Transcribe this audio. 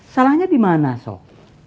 salahnya dimana sok